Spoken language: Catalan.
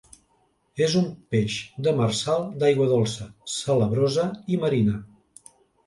És un peix demersal d'aigua dolça, salabrosa i marina.